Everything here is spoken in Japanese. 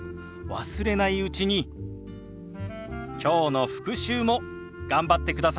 忘れないうちにきょうの復習も頑張ってくださいね。